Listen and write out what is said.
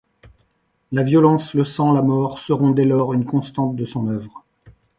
La violence, le sang, la mort seront dès lors une constante de son œuvre.